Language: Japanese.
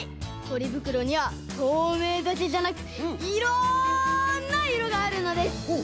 ポリぶくろにはとうめいだけじゃなくいろんないろがあるのです。